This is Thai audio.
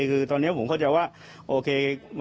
คือตอนนี้ผมเข้าใจว่าโอเค